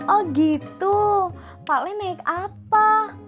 oh gitu pak le naik apa